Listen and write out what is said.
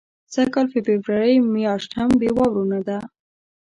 سږ کال فبرورۍ میاشت هم بې واورو نه ده.